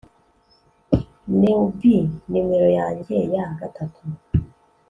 Newbie numero yanjye ya gatatu